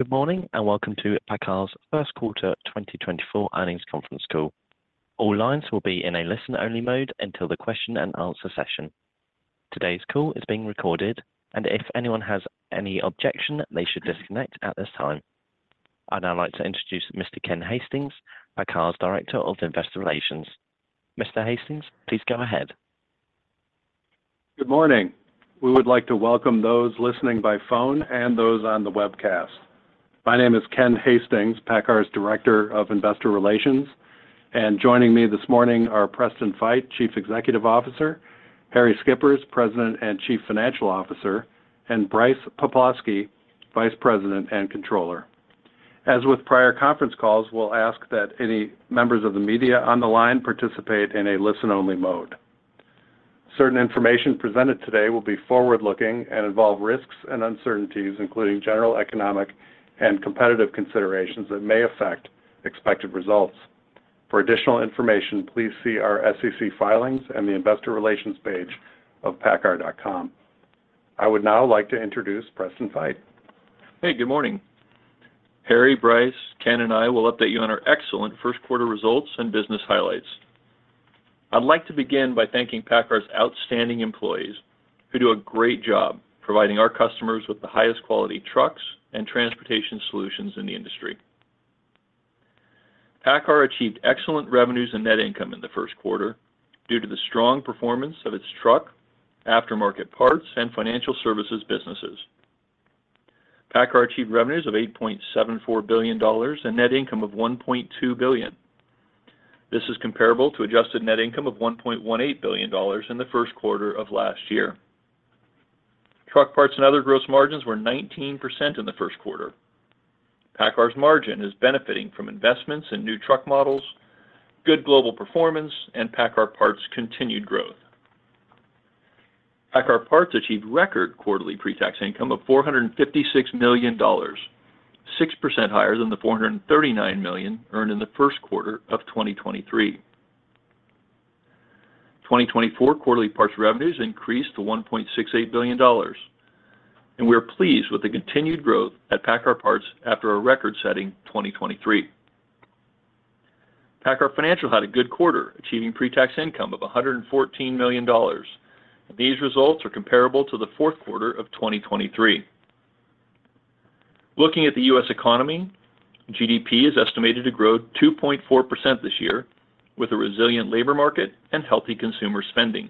Good morning, and welcome to PACCAR's first quarter 2024 earnings conference call. All lines will be in a listen-only mode until the question and answer session. Today's call is being recorded, and if anyone has any objection, they should disconnect at this time. I'd now like to introduce Mr. Ken Hastings, PACCAR's Director of Investor Relations. Mr. Hastings, please go ahead. Good morning. We would like to welcome those listening by phone and those on the webcast. My name is Ken Hastings, PACCAR's Director of Investor Relations, and joining me this morning are Preston Feight, Chief Executive Officer, Harrie Schippers, President and Chief Financial Officer, and Brice Poplawski, Vice President and Controller. As with prior conference calls, we'll ask that any members of the media on the line participate in a listen-only mode. Certain information presented today will be forward-looking and involve risks and uncertainties, including general economic and competitive considerations that may affect expected results. For additional information, please see our SEC filings and the investor relations page of paccar.com. I would now like to introduce Preston Feight. Hey, good morning. Harrie, Brice, Ken, and I will update you on our excellent first quarter results and business highlights. I'd like to begin by thanking PACCAR's outstanding employees, who do a great job providing our customers with the highest quality trucks and transportation solutions in the industry. PACCAR achieved excellent revenues and net income in the first quarter due to the strong performance of its truck, aftermarket parts, and financial services businesses. PACCAR achieved revenues of $8.74 billion and net income of $1.2 billion. This is comparable to adjusted net income of $1.18 billion in the first quarter of last year. Truck parts and other gross margins were 19% in the first quarter. PACCAR's margin is benefiting from investments in new truck models, good global performance, and PACCAR Parts' continued growth. PACCAR Parts achieved record quarterly pre-tax income of $456 million, 6% higher than the $439 million earned in the first quarter of 2023. 2024 quarterly parts revenues increased to $1.68 billion, and we are pleased with the continued growth at PACCAR Parts after a record-setting 2023. PACCAR Financial had a good quarter, achieving pre-tax income of $114 million. These results are comparable to the fourth quarter of 2023. Looking at the U.S. economy, GDP is estimated to grow 2.4% this year, with a resilient labor market and healthy consumer spending.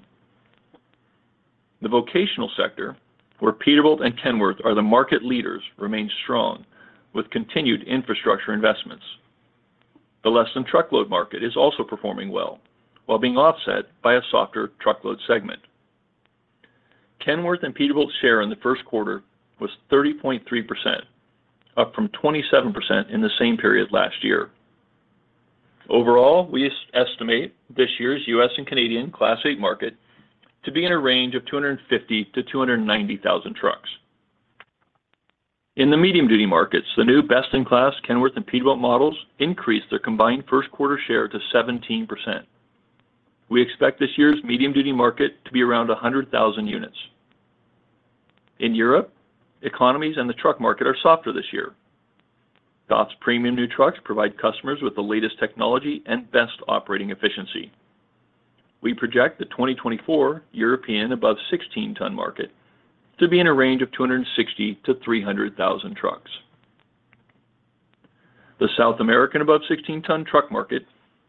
The vocational sector, where Peterbilt and Kenworth are the market leaders, remains strong with continued infrastructure investments. The less-than-truckload market is also performing well while being offset by a softer truckload segment. Kenworth and Peterbilt share in the first quarter was 30.3%, up from 27% in the same period last year. Overall, we estimate this year's U.S. and Canadian Class 8 market to be in a range of 250,000-290,000 trucks. In the medium-duty markets, the new best-in-class Kenworth and Peterbilt models increased their combined first quarter share to 17%. We expect this year's medium-duty market to be around 100,000 units. In Europe, economies and the truck market are softer this year. DAF's premium new trucks provide customers with the latest technology and best operating efficiency. We project the 2024 European above-16-ton market to be in a range of 260,000-300,000 trucks. The South American above-16-ton truck market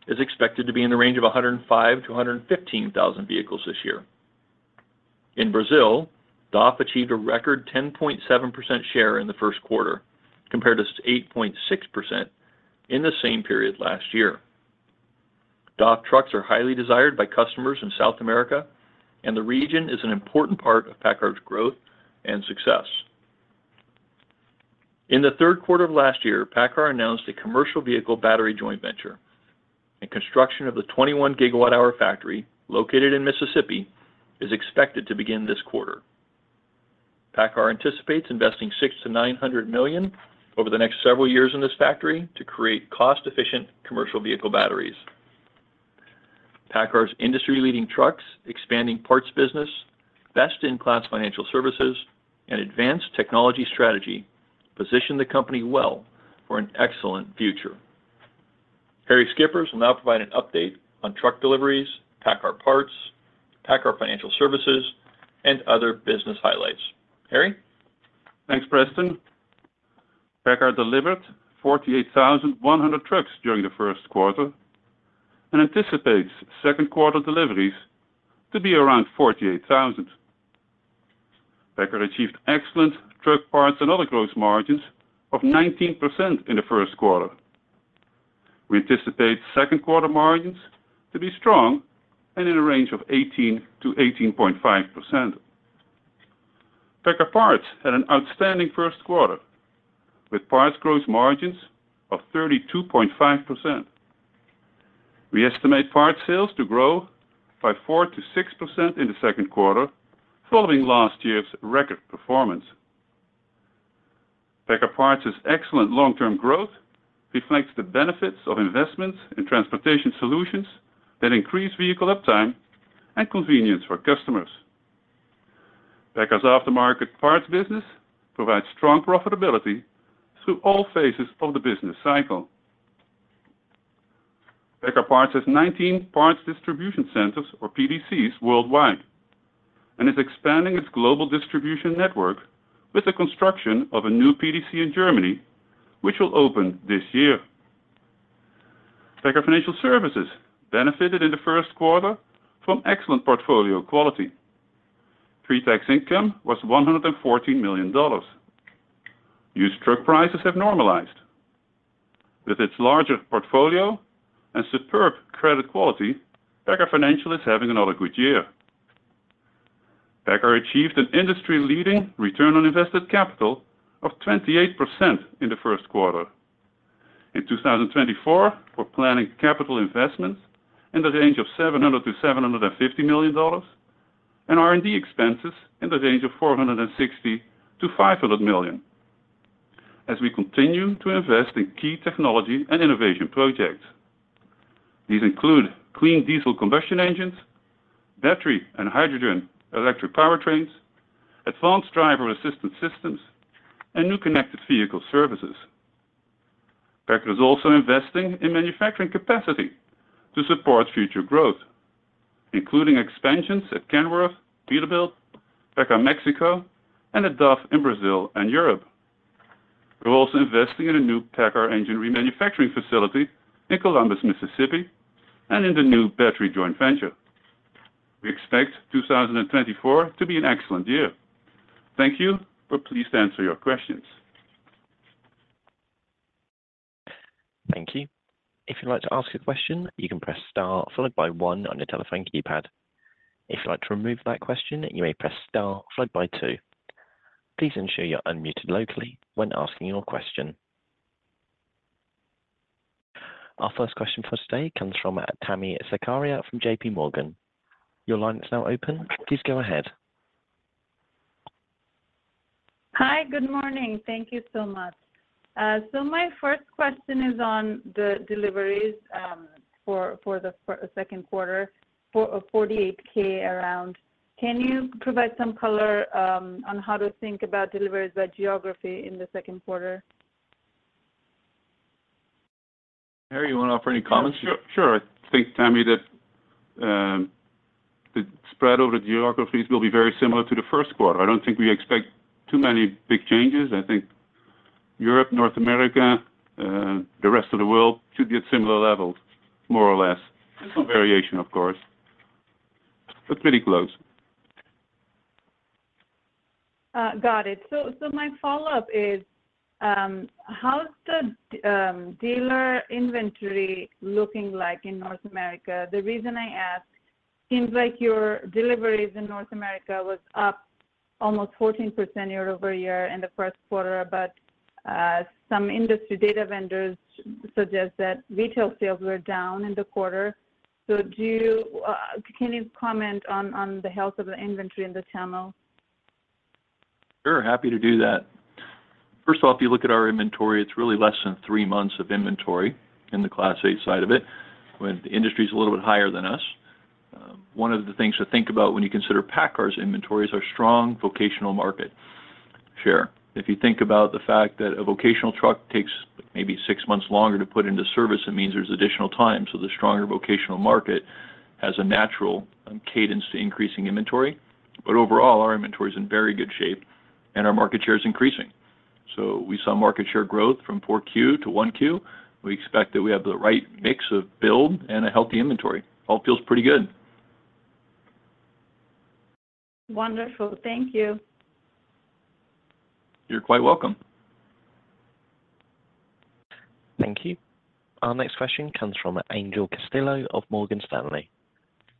is expected to be in the range of 105,000-115,000 vehicles this year. In Brazil, DAF achieved a record 10.7% share in the first quarter, compared to 8.6% in the same period last year. DAF trucks are highly desired by customers in South America, and the region is an important part of PACCAR's growth and success. In the third quarter of last year, PACCAR announced a commercial vehicle battery joint venture, and construction of the 21 GWh factory located in Mississippi is expected to begin this quarter. PACCAR anticipates investing $600 million-$900 million over the next several years in this factory to create cost-efficient commercial vehicle batteries. PACCAR's industry-leading trucks, expanding parts business, best-in-class financial services, and advanced technology strategy position the company well for an excellent future. Harrie Schippers will now provide an update on truck deliveries, PACCAR Parts, PACCAR Financial Services, and other business highlights. Harrie? Thanks, Preston. PACCAR delivered 48,100 trucks during the first quarter and anticipates second quarter deliveries to be around 48,000. PACCAR achieved excellent truck parts and other gross margins of 19% in the first quarter. We anticipate second quarter margins to be strong and in a range of 18%-18.5%. PACCAR Parts had an outstanding first quarter, with parts gross margins of 32.5%. We estimate parts sales to grow by 4%-6% in the second quarter, following last year's record performance. PACCAR Parts' excellent long-term growth reflects the benefits of investments in transportation solutions that increase vehicle uptime and convenience for customers. PACCAR's aftermarket parts business provides strong profitability through all phases of the business cycle. PACCAR Parts has 19 parts distribution centers, or PDCs, worldwide, and is expanding its global distribution network with the construction of a new PDC in Germany, which will open this year. PACCAR Financial Services benefited in the first quarter from excellent portfolio quality. Pre-tax income was $114 million. Used truck prices have normalized. With its larger portfolio and superb credit quality, PACCAR Financial is having another good year. PACCAR achieved an industry-leading return on invested capital of 28% in the first quarter. In 2024, we're planning capital investments in the range of $700 million-$750 million and R&D expenses in the range of $460 million-$500 million as we continue to invest in key technology and innovation projects. These include clean diesel combustion engines, battery and hydrogen electric powertrains, advanced driver assistance systems, and new connected vehicle services. PACCAR is also investing in manufacturing capacity to support future growth, including expansions at Kenworth, Peterbilt, PACCAR Mexico, and at DAF in Brazil and Europe. We're also investing in a new PACCAR engine remanufacturing facility in Columbus, Mississippi, and in the new battery joint venture. We expect 2024 to be an excellent year. Thank you. We're pleased to answer your questions. Thank you. If you'd like to ask a question, you can press star followed by one on your telephone keypad. If you'd like to remove that question, you may press star followed by two. Please ensure you're unmuted locally when asking your question. Our first question for today comes from Tami Zakaria from JPMorgan. Your line is now open. Please go ahead. Hi, good morning. Thank you so much. So my first question is on the deliveries for the second quarter, around 48,000. Can you provide some color on how to think about deliveries by geography in the second quarter? Harrie, you want to offer any comments? Sure. Sure. I think, Tami, that the spread over the geographies will be very similar to the first quarter. I don't think we expect too many big changes. I think Europe, North America, the rest of the world should be at similar levels, more or less. Some variation, of course, but pretty close. Got it. So my follow-up is, how's the dealer inventory looking like in North America? The reason I ask, seems like your deliveries in North America was up almost 14% year-over-year in the first quarter, but some industry data vendors suggest that retail sales were down in the quarter. So, can you comment on the health of the inventory in the channel? Sure, happy to do that. First of all, if you look at our inventory, it's really less than three months of inventory in the Class 8 side of it, when the industry is a little bit higher than us. One of the things to think about when you consider PACCAR's inventory is our strong vocational market share. If you think about the fact that a vocational truck takes maybe six months longer to put into service, it means there's additional time. So the stronger vocational market has a natural cadence to increasing inventory. But overall, our inventory is in very good shape, and our market share is increasing. So we saw market share growth from Q4 to Q1. We expect that we have the right mix of build and a healthy inventory. All feels pretty good. Wonderful. Thank you. You're quite welcome. Thank you. Our next question comes from Angel Castillo of Morgan Stanley.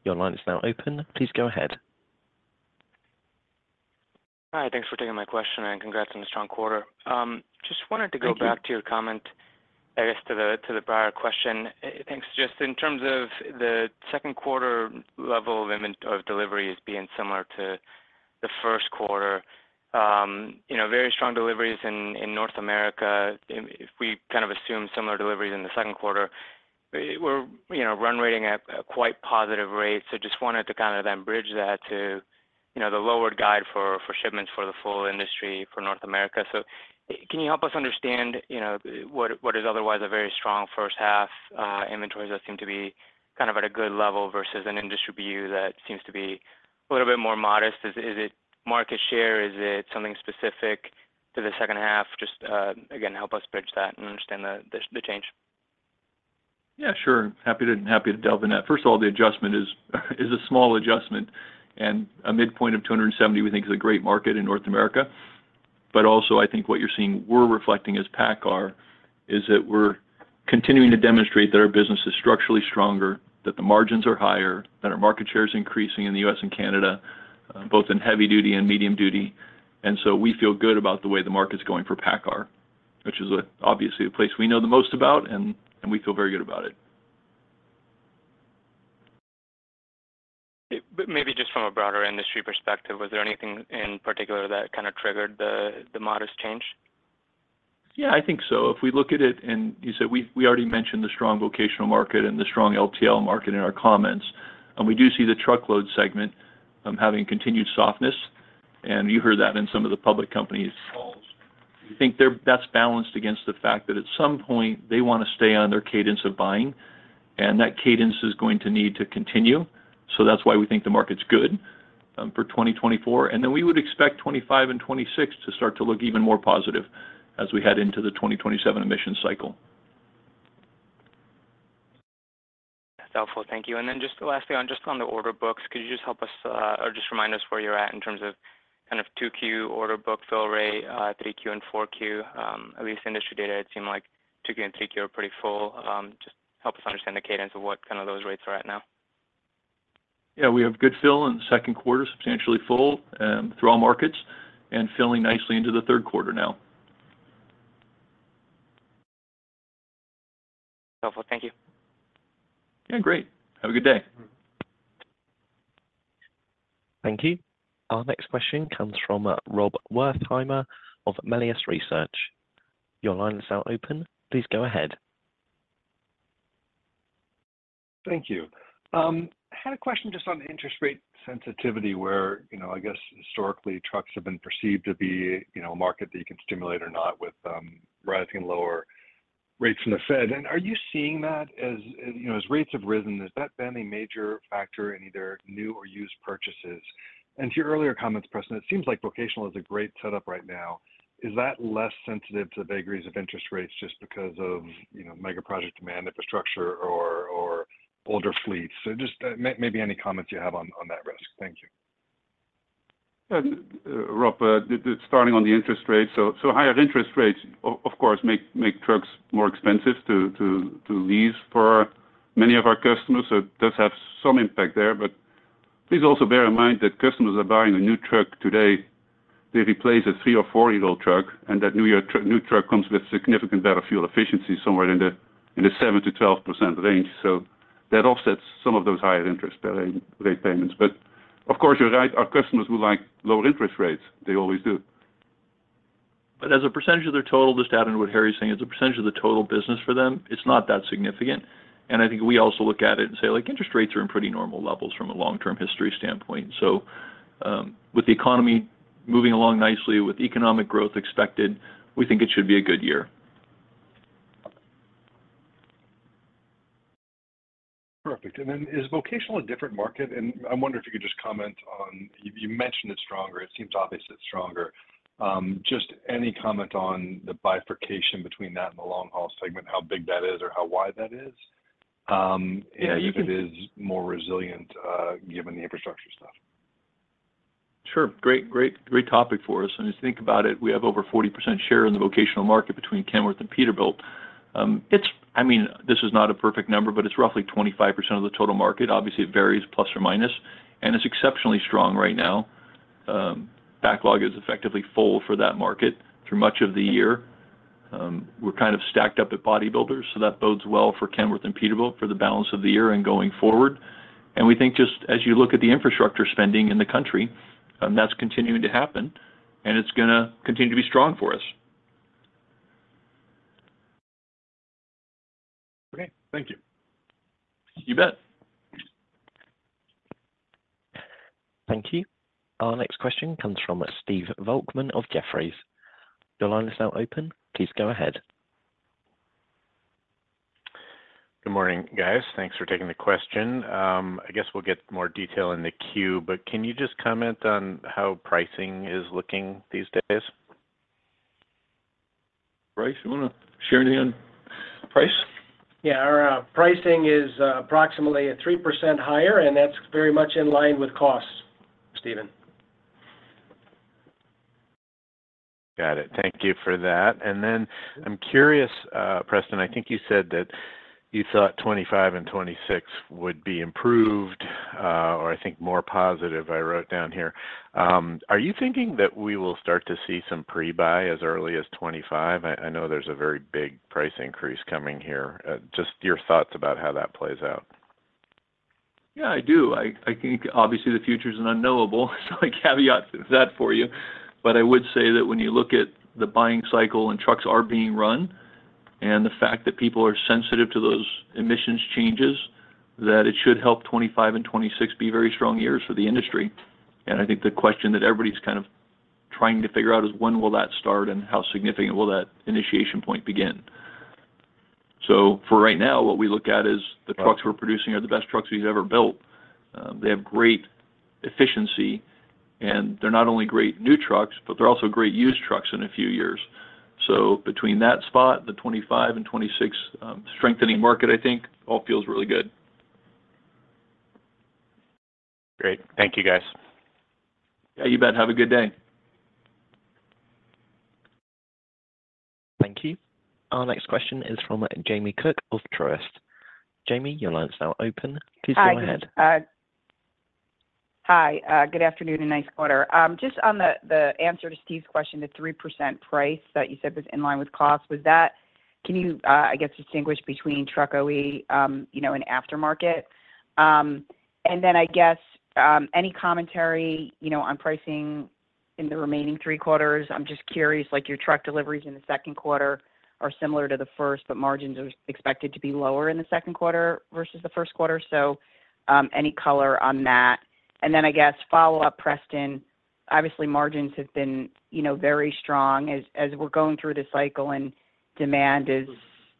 Your line is now open. Please go ahead. Hi, thanks for taking my question, and congrats on the strong quarter. Just wanted to- Thank you. Go back to your comment, I guess, to the prior question. I think just in terms of the second quarter level of inventory of deliveries being similar to the first quarter, you know, very strong deliveries in North America. If we kind of assume similar deliveries in the second quarter, we're, you know, run-rate at a quite positive rate. So just wanted to kind of then bridge that to, you know, the lowered guidance for shipments for the full industry for North America. So can you help us understand, you know, what what is otherwise a very strong first half, inventories that seem to be kind of at a good level versus an industry view that seems to be a little bit more modest? Is it market share? Is it something specific to the second half? Just, again, help us bridge that and understand the change. Yeah, sure. Happy to delve in that. First of all, the adjustment is a small adjustment, and a midpoint of 270, we think, is a great market in North America. But also, I think what you're seeing we're reflecting as PACCAR is that we're continuing to demonstrate that our business is structurally stronger, that the margins are higher, that our market share is increasing in the U.S. and Canada, both in heavy duty and medium duty. And so we feel good about the way the market's going for PACCAR, which is obviously a place we know the most about, and we feel very good about it. Maybe just from a broader industry perspective, was there anything in particular that kind of triggered the modest change?... Yeah, I think so. If we look at it, and you said we, we already mentioned the strong vocational market and the strong LTL market in our comments, and we do see the truckload segment having continued softness, and you heard that in some of the public companies calls. We think they're, that's balanced against the fact that at some point they want to stay on their cadence of buying, and that cadence is going to need to continue. So that's why we think the market's good for 2024, and then we would expect 2025 and 2026 to start to look even more positive as we head into the 2027 emissions cycle. That's helpful. Thank you. And then just lastly, on just on the order books, could you just help us, or just remind us where you're at in terms of kind of 2Q order book fill rate, 3Q and 4Q? At least industry data, it seemed like 2Q and 3Q are pretty full. Just help us understand the cadence of what kind of those rates are at now. Yeah, we have good fill in the second quarter, substantially full, through all markets and filling nicely into the third quarter now. Helpful. Thank you. Yeah, great. Have a good day. Thank you. Our next question comes from Rob Wertheimer of Melius Research. Your line is now open. Please go ahead. Thank you. Had a question just on interest rate sensitivity, where, you know, I guess historically, trucks have been perceived to be, you know, a market that you can stimulate or not with rising lower rates from the Fed. And are you seeing that as you know, as rates have risen, has that been a major factor in either new or used purchases? And to your earlier comments, Preston, it seems like vocational is a great setup right now. Is that less sensitive to the vagaries of interest rates just because of, you know, mega project demand, infrastructure or older fleets? So just maybe any comments you have on that risk. Thank you. Yeah, Rob, starting on the interest rate. So higher interest rates, of course, make trucks more expensive to lease for many of our customers, so it does have some impact there. But please also bear in mind that customers are buying a new truck today, they replace a three or four-year-old truck, and that new truck comes with significant better fuel efficiency, somewhere in the 7%-12% range. So that offsets some of those higher interest rate payments. But of course, you're right, our customers would like lower interest rates. They always do. But as a percentage of their total, just to add on what Harrie is saying, as a percentage of the total business for them, it's not that significant. And I think we also look at it and say, like, interest rates are in pretty normal levels from a long-term history standpoint. So, with the economy moving along nicely, with economic growth expected, we think it should be a good year. Perfect. Then is vocational a different market? I wonder if you could just comment on... You mentioned it's stronger. It seems obvious it's stronger. Just any comment on the bifurcation between that and the long-haul segment, how big that is or how wide that is, and if it is more resilient, given the infrastructure stuff? Sure. Great, great, great topic for us, and as you think about it, we have over 40% share in the vocational market between Kenworth and Peterbilt. I mean, this is not a perfect number, but it's roughly 25% of the total market. Obviously, it varies plus or minus, and it's exceptionally strong right now. Backlog is effectively full for that market through much of the year. We're kind of stacked up at bodybuilders, so that bodes well for Kenworth and Peterbilt for the balance of the year and going forward. And we think just as you look at the infrastructure spending in the country, that's continuing to happen, and it's going to continue to be strong for us. Okay, thank you. You bet. Thank you. Our next question comes from Stephen Volkmann of Jefferies. Your line is now open. Please go ahead. Good morning, guys. Thanks for taking the question. I guess we'll get more detail in the queue, but can you just comment on how pricing is looking these days? Brice, you want to share anything on price? Yeah. Our pricing is approximately at 3% higher, and that's very much in line with costs, Stephen. Got it. Thank you for that. And then I'm curious, Preston, I think you said that you thought 2025 and 2026 would be improved, or I think more positive, I wrote down here. Are you thinking that we will start to see some pre-buy as early as 2025? I know there's a very big price increase coming here. Just your thoughts about how that plays out. Yeah, I do. I think obviously the future is unknowable, so I caveat that for you. But I would say that when you look at the buying cycle and trucks are being run, and the fact that people are sensitive to those emissions changes, that it should help 2025 and 2026 be very strong years for the industry. And I think the question that everybody's kind of trying to figure out is when will that start, and how significant will that initiation point begin? So for right now, what we look at is the trucks we're producing are the best trucks we've ever built. They have great efficiency, and they're not only great new trucks, but they're also great used trucks in a few years. So between that spot, the 2025 and 2026, strengthening market, I think all feels really good. Great. Thank you, guys. Yeah, you bet. Have a good day. Thank you. Our next question is from Jamie Cook of Truist. Jamie, your line is now open. Please go ahead. Hi. Hi, good afternoon, and nice quarter. Just on the answer to Steve's question, the 3% price that you said was in line with cost, was that-... Can you, I guess, distinguish between truck OE, you know, and aftermarket? And then I guess, any commentary, you know, on pricing in the remaining three quarters. I'm just curious, like, your truck deliveries in the second quarter are similar to the first, but margins are expected to be lower in the second quarter versus the first quarter, so, any color on that? And then I guess follow up, Preston, obviously, margins have been, you know, very strong as we're going through the cycle and demand is,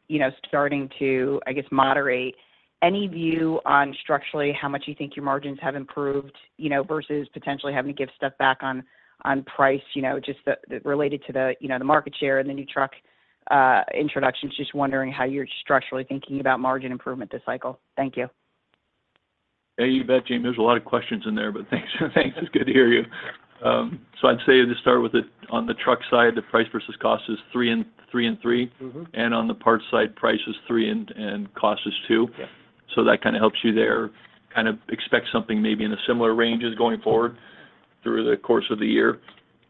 you know, starting to, I guess, moderate. Any view on structurally, how much you think your margins have improved, you know, versus potentially having to give stuff back on price, you know, just the related to the, you know, the market share and the new truck introductions? Just wondering how you're structurally thinking about margin improvement this cycle? Thank you. Yeah, you bet, Jamie. There's a lot of questions in there, but thanks, thanks. It's good to hear you. So I'd say, to start with, on the truck side, the price versus cost is three and three and three. Mm-hmm. On the parts side, price is three and cost is two. Yeah. So that kind of helps you there. Kind of expect something maybe in a similar range as going forward through the course of the year.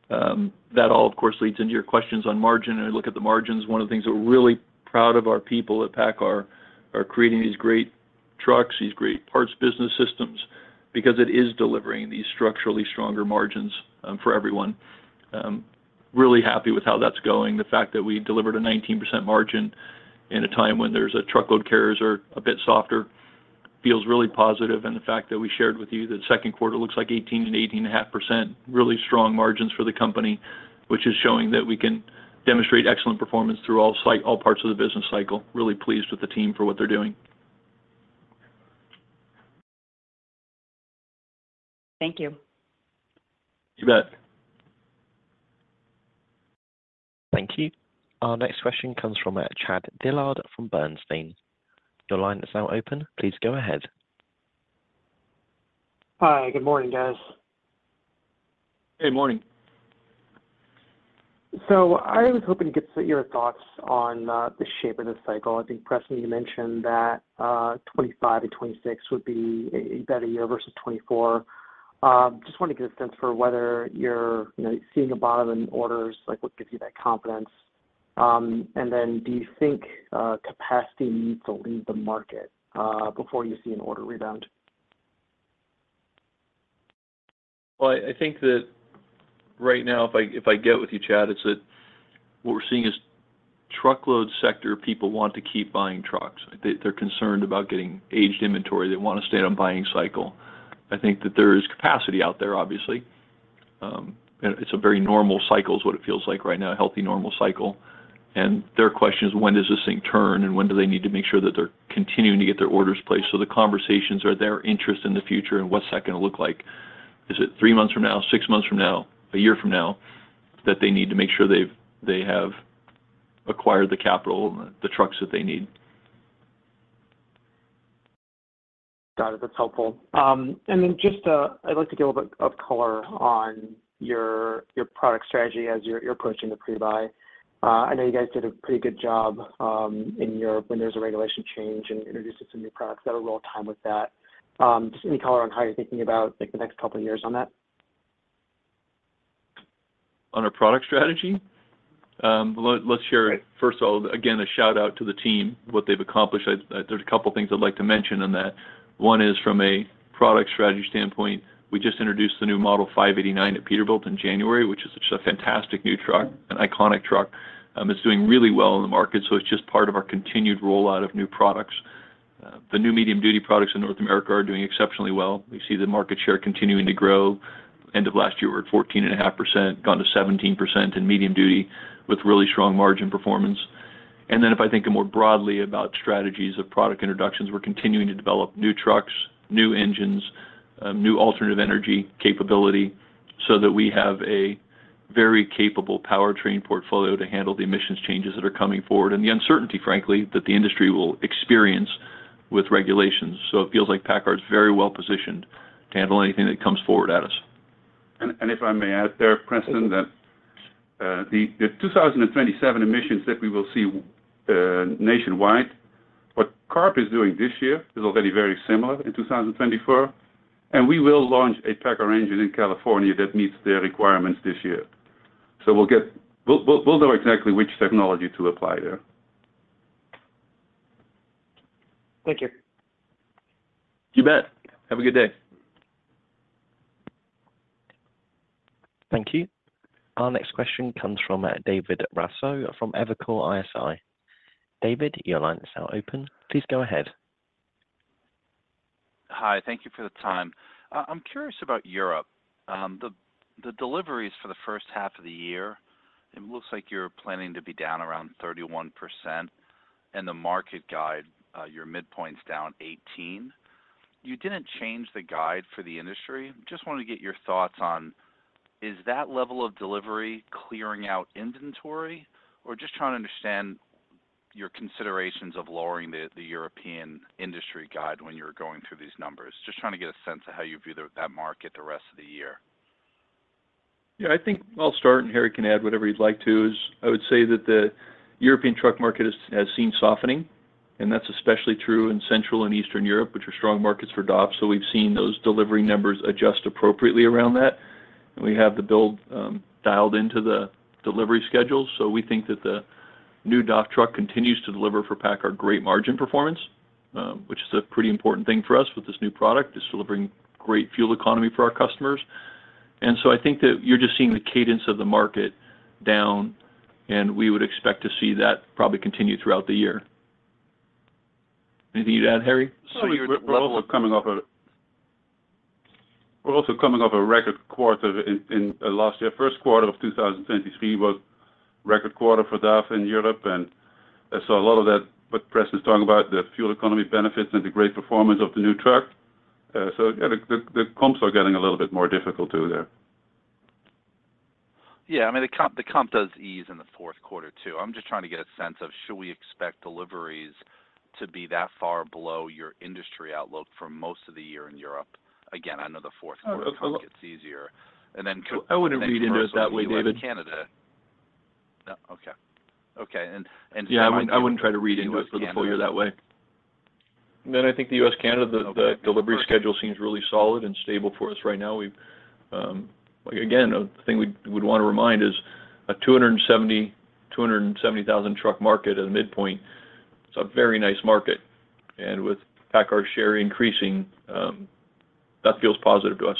That all, of course, leads into your questions on margins, and look at the margins. One of the things we're really proud of our people at PACCAR are creating these great trucks, these great parts business systems, because it is delivering these structurally stronger margins, for everyone. Really happy with how that's going. The fact that we delivered a 19% margin in a time when there's truckload carriers are a bit softer, feels really positive. And the fact that we shared with you that second quarter looks like 18%-18.5%, really strong margins for the company, which is showing that we can demonstrate excellent performance through all parts of the business cycle. Really pleased with the team for what they're doing. Thank you. You bet. Thank you. Our next question comes from Chad Dillard from Bernstein. Your line is now open. Please go ahead. Hi, good morning, guys. Good morning. I was hoping to get your thoughts on the shape of the cycle. I think, Preston, you mentioned that 2025-2026 would be a better year versus 2024. Just want to get a sense for whether you're, you know, seeing a bottom in orders, like, what gives you that confidence? And then do you think capacity needs to leave the market before you see an order rebound? Well, I think that right now, if I get with you, Chad, it's that what we're seeing is Truckload sector people want to keep buying trucks. They, they're concerned about getting aged inventory. They want to stay on buying cycle. I think that there is capacity out there, obviously. And it's a very normal cycle, is what it feels like right now, a healthy, normal cycle. And their question is: When does this thing turn, and when do they need to make sure that they're continuing to get their orders placed? So the conversations are their interest in the future, and what's that going to look like? Is it three months from now, six months from now, a year from now, that they need to make sure they have acquired the capital, the trucks that they need. Got it. That's helpful. And then just, I'd like to get a little bit of color on your product strategy as you're approaching the pre-buy. I know you guys did a pretty good job in Europe when there was a regulation change and introduced some new products that have rolled out in time with that. Just any color on how you're thinking about, like, the next couple of years on that? On our product strategy? Let's share- Right. First of all, again, a shout-out to the team, what they've accomplished. There's a couple of things I'd like to mention on that. One is from a product strategy standpoint, we just introduced the new Model 589 at Peterbilt in January, which is such a fantastic new truck, an iconic truck. It's doing really well in the market, so it's just part of our continued rollout of new products. The new medium-duty products in North America are doing exceptionally well. We see the market share continuing to grow. End of last year, we were at 14.5%, gone to 17% in medium duty with really strong margin performance. And then if I think more broadly about strategies of product introductions, we're continuing to develop new trucks, new engines, new alternative energy capability, so that we have a very capable powertrain portfolio to handle the emissions changes that are coming forward, and the uncertainty, frankly, that the industry will experience with regulations. So it feels like PACCAR is very well positioned to handle anything that comes forward at us. If I may add there, Preston, that the 2027 emissions that we will see nationwide, what CARB is doing this year is already very similar in 2024, and we will launch a PACCAR engine in California that meets their requirements this year. So we'll know exactly which technology to apply there. Thank you. You bet. Have a good day. Thank you. Our next question comes from David Raso from Evercore ISI. David, your line is now open. Please go ahead. Hi. Thank you for the time. I'm curious about Europe. The deliveries for the first half of the year, it looks like you're planning to be down around 31%, and the market guide, your midpoint's down 18%. You didn't change the guide for the industry. Just wanted to get your thoughts on, is that level of delivery clearing out inventory? Or just trying to understand your considerations of lowering the European industry guide when you're going through these numbers. Just trying to get a sense of how you view that market the rest of the year. Yeah, I think I'll start, and Harrie can add whatever he'd like to. I would say that the European truck market has seen softening, and that's especially true in Central and Eastern Europe, which are strong markets for DAF. So we've seen those delivery numbers adjust appropriately around that. And we have the build dialed into the delivery schedule. So we think that the new DAF truck continues to deliver for PACCAR great margin performance, which is a pretty important thing for us with this new product. It's delivering great fuel economy for our customers. And so I think that you're just seeing the cadence of the market down, and we would expect to see that probably continue throughout the year. Anything you'd add, Harrie? We're also coming off a record quarter in last year. First quarter of 2023 was record quarter for DAF in Europe, and I saw a lot of that, what Preston's talking about, the fuel economy benefits and the great performance of the new truck. So, yeah, the comps are getting a little bit more difficult too there. Yeah, I mean, the comp does ease in the fourth quarter, too. I'm just trying to get a sense of should we expect deliveries to be that far below your industry outlook for most of the year in Europe? Again, I know the fourth quarter comp gets easier. And then- I wouldn't read into it that way, David. Canada. Okay. Okay, and, and- Yeah, I wouldn't try to read into it for the full year that way. Then I think the U.S., Canada, the delivery schedule seems really solid and stable for us right now. We've, like, again, the thing we'd want to remind is a 270,000 truck market at a midpoint, it's a very nice market, and with PACCAR share increasing, that feels positive to us.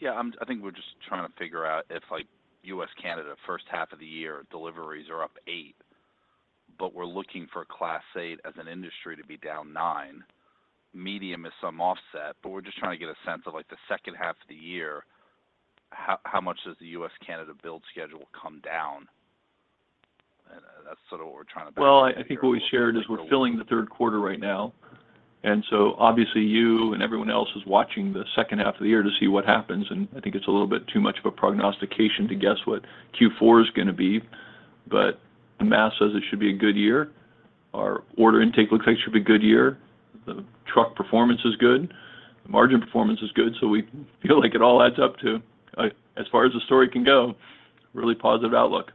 Yeah, I'm-- I think we're just trying to figure out if, like, U.S., Canada, first half of the year, deliveries are up eight, but we're looking for Class 8 as an industry to be down nine. Medium is some offset, but we're just trying to get a sense of, like, the second half of the year, how, how much does the U.S.-Canada build schedule come down? And that's sort of what we're trying to balance. Well, I think what we shared is we're filling the third quarter right now, and so obviously you and everyone else is watching the second half of the year to see what happens, and I think it's a little bit too much of a prognostication to guess what Q4 is going to be. But the math says it should be a good year. Our order intake looks like it should be a good year. The truck performance is good. The margin performance is good, so we feel like it all adds up to as far as the story can go, really positive outlook.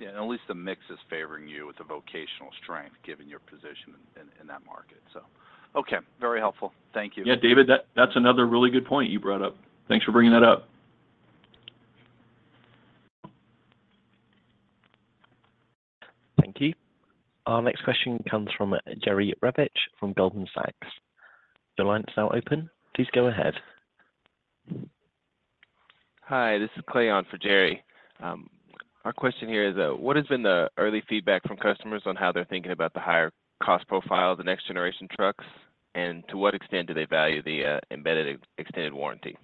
Yeah, at least the mix is favoring you with the vocational strength, given your position in that market. So, okay, very helpful. Thank you. Yeah, David, that, that's another really good point you brought up. Thanks for bringing that up. Thank you. Our next question comes from Jerry Revich from Goldman Sachs. Your line is now open. Please go ahead. Hi, this is Clay on for Jerry. Our question here is, what has been the early feedback from customers on how they're thinking about the higher cost profile of the next generation trucks, and to what extent do they value the, embedded extended warranty?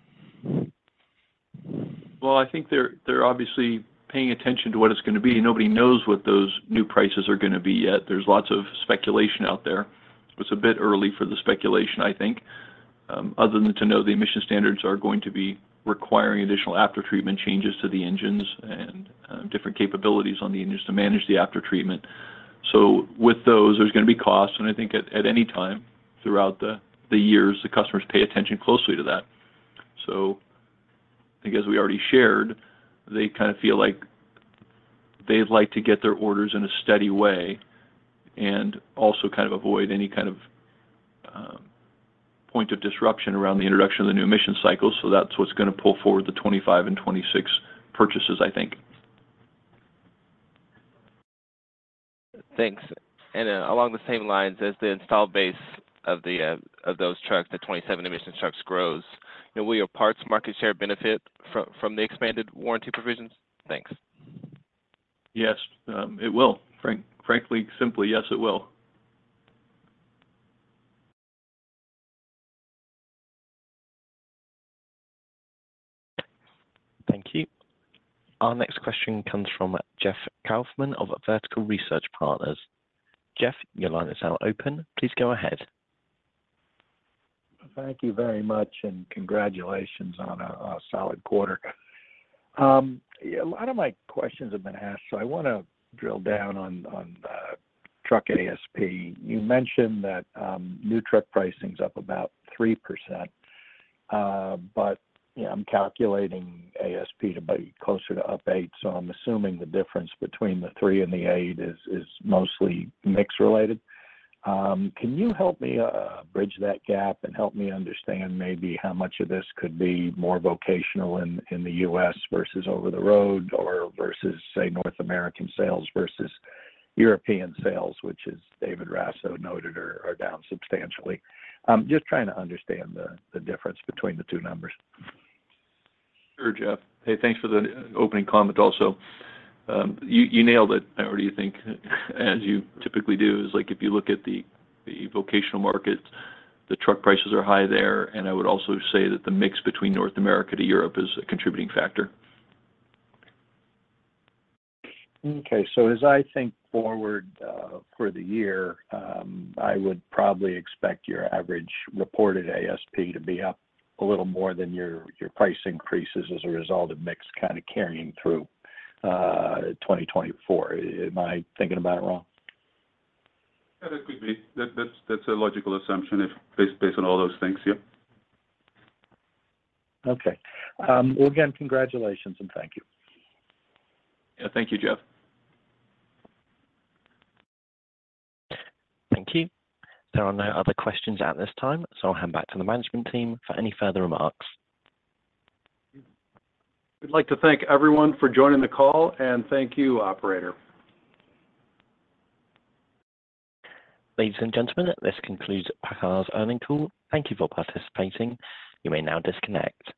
Well, I think they're obviously paying attention to what it's going to be. Nobody knows what those new prices are going to be yet. There's lots of speculation out there. It's a bit early for the speculation, I think, other than to know the emission standards are going to be requiring additional aftertreatment changes to the engines and different capabilities on the engines to manage the aftertreatment. So with those, there's going to be costs, and I think at any time throughout the years, the customers pay attention closely to that. So I think as we already shared, they kind of feel like they'd like to get their orders in a steady way and also kind of avoid any kind of point of disruption around the introduction of the new emission cycle. That's what's going to pull forward the 2025 and 2026 purchases, I think. Thanks. And, along the same lines, as the installed base of the, of those trucks, the 2027 emissions trucks grows, and will your parts market share benefit from, from the expanded warranty provisions? Thanks. Yes, it will. Frankly, simply, yes, it will. Thank you. Our next question comes from Jeff Kauffman of Vertical Research Partners. Jeff, your line is now open. Please go ahead. Thank you very much, and congratulations on a solid quarter. Yeah, a lot of my questions have been asked, so I want to drill down on truck ASP. You mentioned that new truck pricing is up about 3%, but I'm calculating ASP to be closer to up 8%, so I'm assuming the difference between the 3% and the 8% is mostly mix related. Can you help me bridge that gap and help me understand maybe how much of this could be more vocational in the U.S. versus over-the-road, or versus, say, North American sales versus European sales, which as David Raso noted, are down substantially? I'm just trying to understand the difference between the two numbers. Sure, Jeff. Hey, thanks for the opening comment also. You nailed it, I already think, as you typically do. It's like if you look at the vocational market, the truck prices are high there, and I would also say that the mix between North America to Europe is a contributing factor. Okay, so as I think forward, for the year, I would probably expect your average reported ASP to be up a little more than your, your price increases as a result of mix kind of carrying through, 2024. Am I thinking about it wrong? Yeah, that could be. That's a logical assumption if based on all those things, yeah. Okay. Well, again, congratulations, and thank you. Yeah. Thank you, Jeff. Thank you. There are no other questions at this time, so I'll hand back to the management team for any further remarks. We'd like to thank everyone for joining the call, and thank you, operator. Ladies and gentlemen, this concludes PACCAR's earnings call. Thank you for participating. You may now disconnect.